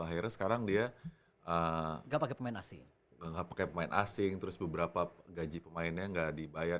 akhirnya sekarang dia gak pake pemain asing terus beberapa gaji pemainnya gak dibayar